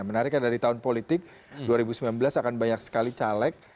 menariknya dari tahun politik dua ribu sembilan belas akan banyak sekali caleg